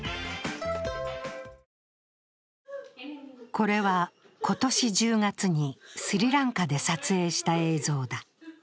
これは今年１０月にスリランカで撮影した映像だ。